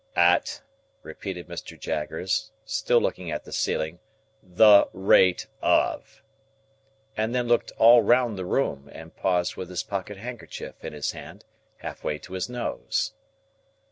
"At," repeated Mr. Jaggers, still looking at the ceiling, "the—rate—of?" And then looked all round the room, and paused with his pocket handkerchief in his hand, half way to his nose.